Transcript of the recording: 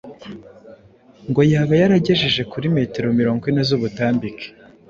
ngo yaba yaragejeje kuri metero mirongo ine z’ubutambike